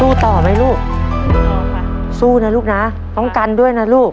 สู้ต่อไหมลูกสู้นะลูกนะน้องการด้วยนะลูก